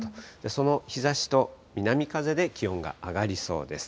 その日ざしと南風で気温が上がりそうです。